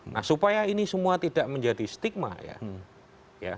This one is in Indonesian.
nah supaya ini semua tidak menjadi stigma ya